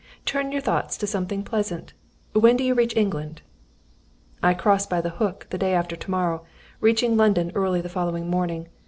Turn your thoughts to something pleasant. When do you reach England?" "I cross by the Hook, the day after to morrow, reaching London early the following morning.